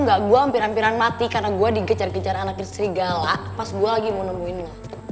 anda tahu saya hampir mati karena saya dikejar kejar anaknya serigala saat saya sedang menemukannya